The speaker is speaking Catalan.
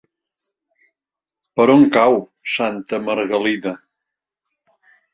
Per on cau Santa Margalida?